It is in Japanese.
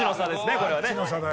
これはね。